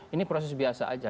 ini proses biasa aja